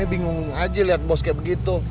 bingung aja lihat bos kayak begitu